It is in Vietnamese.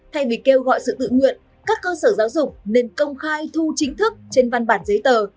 thay vì kêu gọi sự tự nguyện các cơ sở giáo dục nên công khai thu chính thức trên văn bản giấy tờ